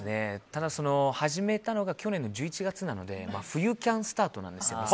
ただ、始めたのが去年の１２月なので冬キャンスタートなんですね。